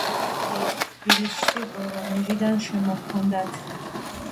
მანამდე მაუდი თბილისში ვორონეჟიდან შემოჰქონდათ.